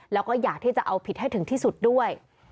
แล้วก็อยากที่จะเอาผิดให้ถึงที่สุดด้วย